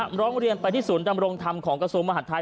ร้องเรียนไปที่ศูนย์ดำรงธรรมของกระทรวงมหาดไทย